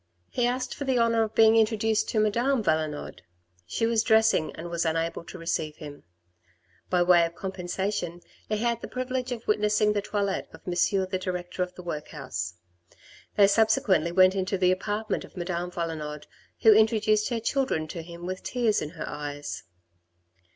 He asked for the honour of being introduced to Madame Valenod. She was dressing and was unable to receive him. By way of compensation he had the privilege of witnessing the toilet of M. the director of the workhouse. They subsequently went into the apartment of Madame Valenod, who introduced her children to him with tears in her eyes.